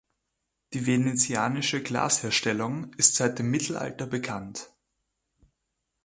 Die venezianische Glasherstellung ist seit dem Mittelalter bekannt.